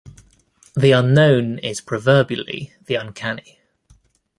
The unknown is proverbially the uncanny.